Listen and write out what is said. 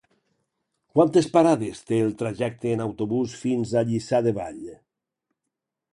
Quantes parades té el trajecte en autobús fins a Lliçà de Vall?